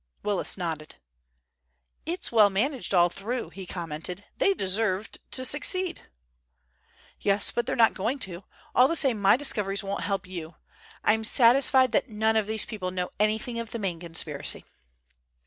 Willis nodded. "It's well managed all through," he commented. "They deserved to succeed." "Yes, but they're not going to. All the same my discoveries won't help you. I'm satisfied that none of these people know anything of the main conspiracy."